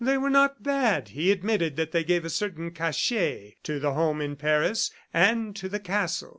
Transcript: They were not bad; he admitted that they gave a certain cachet to the home in Paris and to the castle.